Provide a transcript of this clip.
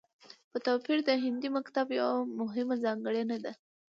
په توپير د هندي مکتب يوه مهمه ځانګړنه ده